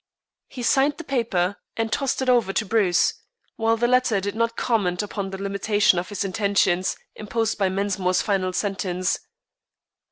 He signed the paper, and tossed it over to Bruce, while the latter did not comment upon the limitation of his intentions imposed by Mensmore's final sentence.